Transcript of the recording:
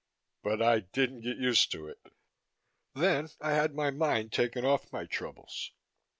But I didn't get used to it. Then I had my mind taken off my troubles.